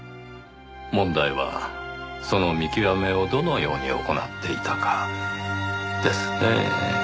問題はその見極めをどのように行っていたかですねぇ。